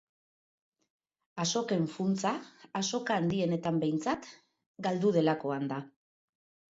Azoken funtsa, azoka handienetan behintzat, galdu delakoan da.